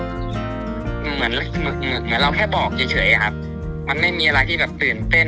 เหมือนเหมือนเหมือนเราแค่บอกเฉยเฉยครับมันไม่มีอะไรที่แบบตื่นเต้น